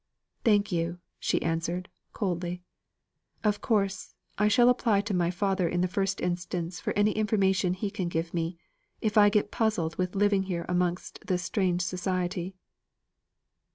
"Thank you," she answered, coldly. "Of course, I shall apply to my father in the first instance for any information he can give me, if I get puzzled with living here amongst this strange society."